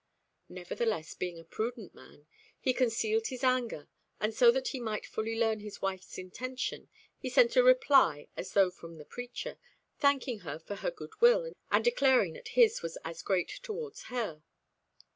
Nevertheless, being a prudent man, he concealed his anger, and so that he might fully learn his wife's intention, he sent a reply as though from the preacher, thanking her for her goodwill, and declaring that his was as great towards her.